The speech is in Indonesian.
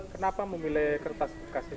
kenapa memilih kertas